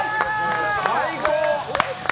最高！